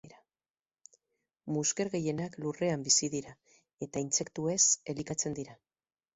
Musker gehienak lurrean bizi dira eta intsektuez elikatzen dira.